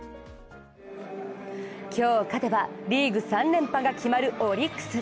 今日勝てばリーグ３連覇が決まるオリックス。